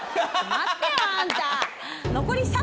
待ってよあんた。